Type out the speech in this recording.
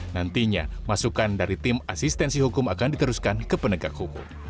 nantinya masukan dari tim asistensi hukum akan diteruskan ke penegak hukum